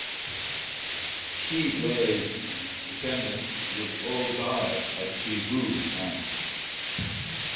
Shi Le's descendants would all die at Shi Hu's hands.